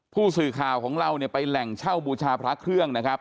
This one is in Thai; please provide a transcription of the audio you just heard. ผู้สื่อข่าวของเราเนี่ยไปแหล่งเช่าบูชาพระเครื่องนะครับ